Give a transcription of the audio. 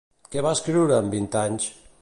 Què va escriure amb vint anys?